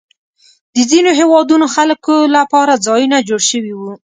د ځینو هېوادونو خلکو لپاره ځایونه جوړ شوي وو.